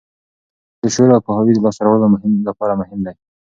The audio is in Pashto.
زده کړه د شعور او پوهاوي د لاسته راوړلو لپاره مهم دی.